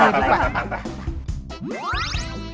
ของคุณยายถ้วน